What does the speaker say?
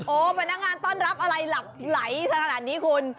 พนักงานต้อนรับอะไรหลักไหลขนาดนี้คุณ